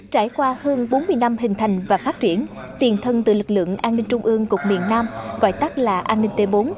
trải qua hơn bốn mươi năm hình thành và phát triển tiền thân từ lực lượng an ninh trung ương cục miền nam gọi tắt là an ninh t bốn